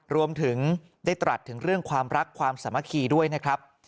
รวมถึงได้ตรัสถึงเรื่องความรักความสามัคคีด้วยนะครับ